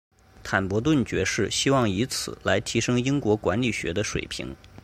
坦伯顿爵士希望以此来提升英国管理学的水平。